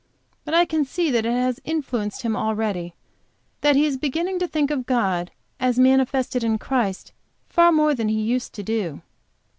But I can see that it has influenced him already, and that he is beginning to think of God, as manifested in Christ, far more than he used to do.